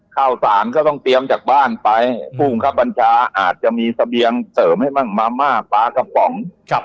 ข้าวสารก็ต้องเตรียมจากบ้านไปผู้ข้าวบรรชาอาจจะมีเสริมให้มากมากแปลห์กะป๋อง